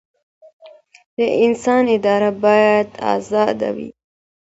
د انسان اراده بايد ازاده وي.